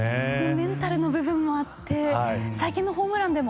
メンタルの部分もあって最近のホームランでも。